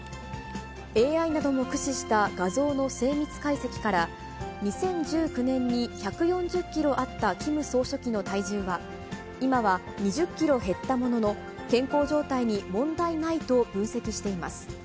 ＡＩなども駆使した画像の精密解析から、２０１９年に１４０キロあったキム総書記の体重は、今は２０キロ減ったものの、健康状態に問題ないと分析しています。